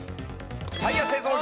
タイヤ製造業。